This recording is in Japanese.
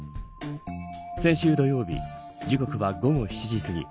先週土曜日時刻は午後７時過ぎ。